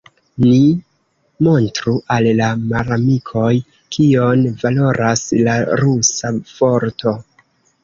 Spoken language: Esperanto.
Ni montru al la malamikoj, kion valoras la rusa forto!